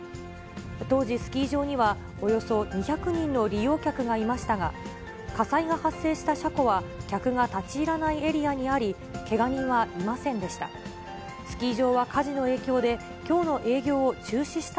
当時、スキー場にはおよそ２００人の利用客がいましたが、火災が発生した車庫は客が立ち入らないエリアにあり、けが人はいませんでした。